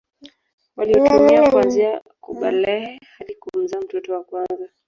waliotumia kuanzia kubalehe hadi kumzaa mtoto wa kwanza